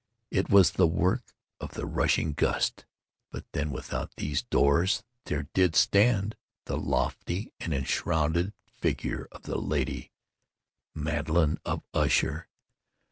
It was the work of the rushing gust—but then without those doors there did stand the lofty and enshrouded figure of the lady Madeline of Usher.